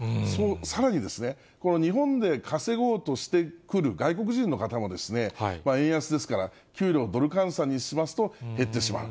さらに、この日本で稼ごうとしてくる外国人の方もですね、円安ですから給料をドル換算にしますと減ってしまう。